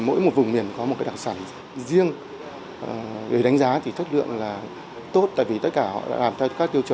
mỗi một vùng miền có một đặc sản riêng để đánh giá thì thất lượng là tốt tại vì tất cả họ đã làm theo các tiêu chuẩn vượt ghép